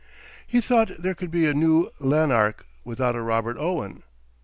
He thought there could be a New Lanark without a Robert Owen.